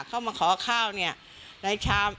เขามาขอข้าวเนี่ยหลายชาม